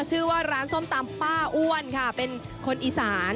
ชื่อว่าร้านส้มตำป้าอ้วนค่ะเป็นคนอีสาน